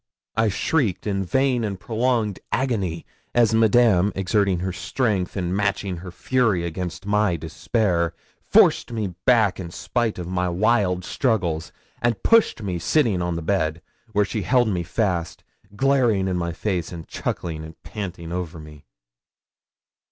I shrieked, in vain and prolonged agony, as Madame, exerting her strength and matching her fury against my despair, forced me back in spite of my wild struggles, and pushed me sitting on the bed, where she held me fast, glaring in my face, and chuckling and panting over me.